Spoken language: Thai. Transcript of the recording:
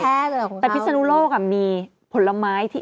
แต่พิศนุโลกอ่ะมีผลไม้ที่